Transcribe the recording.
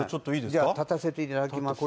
じゃあ立たせて頂きます。